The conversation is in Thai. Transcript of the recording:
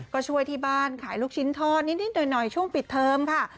ก็ช่วยที่บ้านขายลูกชิ้นทอดนิดหน่อยช่วงปิดเทิมค่ะ